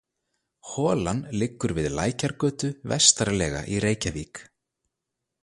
Holan liggur við Lækjargötu vestarlega í Reykjavík.